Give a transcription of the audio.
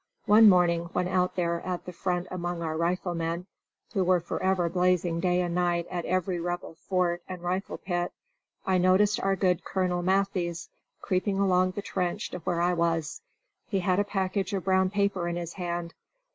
One morning when out there at the front among our riflemen, who were forever blazing day and night at every Rebel fort and rifle pit, I noticed our good Colonel Matthies creeping along the trench to where I was. He had a package of brown paper in his hand.